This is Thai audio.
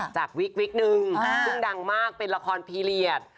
วิกนึงซึ่งดังมากเป็นละครพีเรียส